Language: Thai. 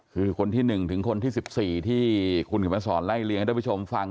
คือคนที่๑ถึงคนที่๑๔ที่คุณเขียนมาสอนไล่เลี้ให้ท่านผู้ชมฟัง